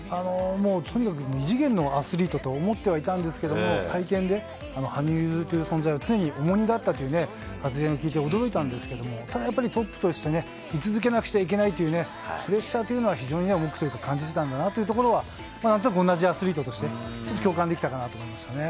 もうとにかく異次元のアスリートと思ってはいたんですけれども、会見で、羽生結弦という存在が常に重荷だったという発言を聞いて驚いたんですけれども、本当にやっぱりトップとしてね、居続けなくちゃいけないっていうね、プレッシャーというのは、非常に重くというか、感じてたんだなというところは、なんとなく同じアスリートとして、ちょっと共感できたかなと思いましたね。